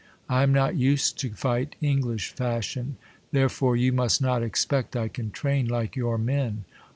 I am not used to fight English fashion ; there fore you must not expect 1 can train like your men.